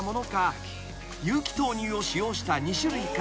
［有機豆乳を使用した２種類から選べ］